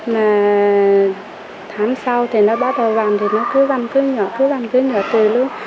mà tháng sau thì nó bắt đầu văng thì nó cứ văng cứ nhỏ cứ văng cứ nhỏ tùy lúc